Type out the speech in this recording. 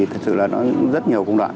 thật sự là nó rất nhiều công đoạn